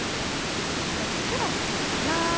４つくらいかこうかな。